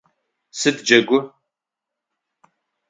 Сыд джэгу?